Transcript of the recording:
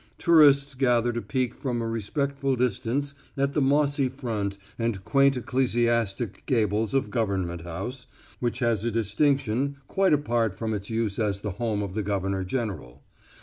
Tourists gather to peek from a respectful distance at the mossy front and quaint ecclesiastic gables of Government House, which has a distinction quite apart from its use as the home of the governor general.